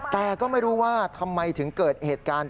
แต่ก็ไม่รู้ว่าทำไมถึงเกิดเหตุการณ์